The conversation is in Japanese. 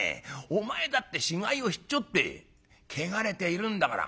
お前だって死骸をひっちょって汚れているんだから。